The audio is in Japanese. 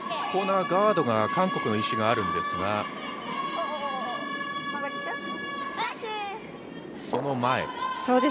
コーナーガードが、韓国の石があるんですが、その前。